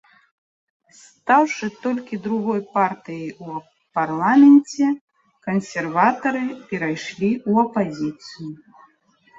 Стаўшы толькі другой партыяй у парламенце кансерватары перайшлі ў апазіцыю.